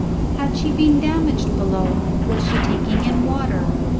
Had she been damaged below? was she taking in water?